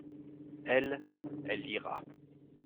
Elle, elle lira.